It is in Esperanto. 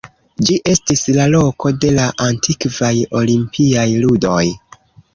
Ĝi estis la loko de la antikvaj olimpiaj ludoj.